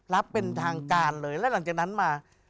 รับเป็นทางการเลยแล้วหลังจากนั้นมา